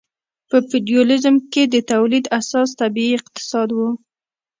په فیوډالیزم کې د تولید اساس طبیعي اقتصاد و.